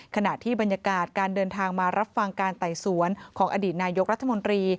ขณะที่บรรยากาศการเดินทางมารับฟังการไต่สวนของอดีตนายกรัฐมนตรี